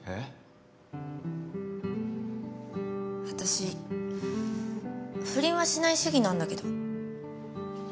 私不倫はしない主義なんだけど。